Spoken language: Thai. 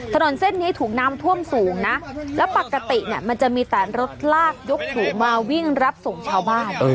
ถนนเส้นนี้ถูกน้ำท่วมสูงนะแล้วปกติเนี่ยมันจะมีแต่รถลากยกถูมาวิ่งรับส่งชาวบ้าน